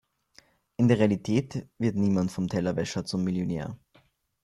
In der Realität wird niemand vom Tellerwäscher zum Millionär.